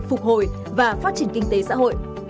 phục hồi và phát triển kinh tế xã hội